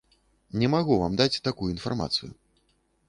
Не магу вам даць такую інфармацыю.